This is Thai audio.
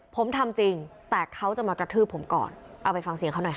ผมทำจริงแต่เขาจะมากระทืบผมก่อนเอาไปฟังเสียงเขาหน่อยค่ะ